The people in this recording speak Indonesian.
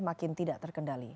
makin tidak terkendali